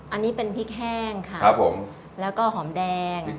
อันนี้เป็นพริกแห้งค่ะครับผมแล้วก็หอมแดง